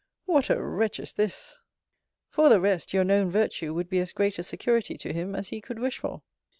What a wretch is this! For the rest, your known virtue would be as great a security to him, as he could wish for.